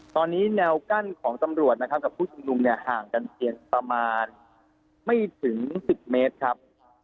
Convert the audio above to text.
ตอนนี้แนวกั้นของตำรวจนะครับกับผู้ชุมนุมเนี่ยห่างกันเพียงประมาณไม่ถึง๑๐เมตรครับ